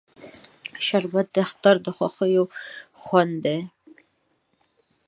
شربت د اختر د خوښۍ خوند دی